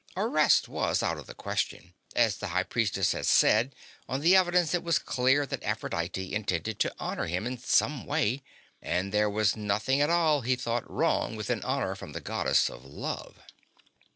Arrest was out of the question. As the High Priestess had said, on the evidence it was clear that Aphrodite intended to honor him in some way. And there was nothing at all, he thought, wrong with an honor from the Goddess of Love.